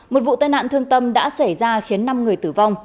một vụ tai nạn thương tâm đã xảy ra khiến năm người tử vong